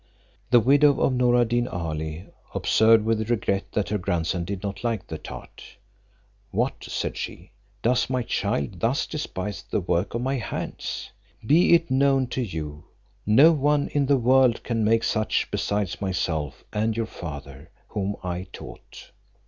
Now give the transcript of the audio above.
The widow of Noor ad Deen Ali observed with regret that her grandson did not like the tart. "What!" said she, "does my child thus despise the work of my hands? Be it known to you, no one in the world can make such besides myself and your father, whom I taught."